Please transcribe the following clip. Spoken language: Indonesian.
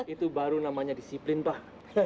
itu baru namanya disiplin pak